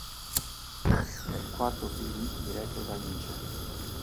È il quarto film diretto da Ince.